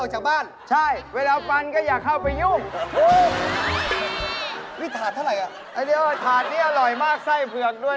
ให้เรียกว่าถาดนี่อร่อยมากไส้เผือกด้วย